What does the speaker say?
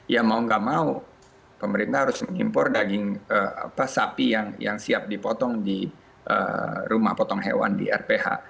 ya mau nggak mau pemerintah harus mengimpor daging sapi yang siap dipotong di rumah potong hewan di rph